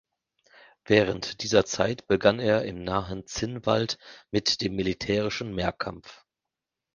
Während dieser Zeit begann er im nahen Zinnwald mit dem militärischen Mehrkampf.